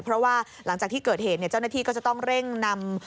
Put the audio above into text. เพราะว่าหลังจากที่เกิดเหตุเจ้าหน้าที่ก็จะต้องเร่งนำ